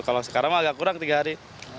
kalau sekarang mah agak kurang tiga hari